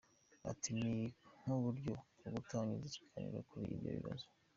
Ati “Ni nk’uburyo bwo gutangiza ikiganiro kuri ibyo bibazo.